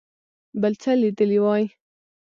بل څه لیدلي وای.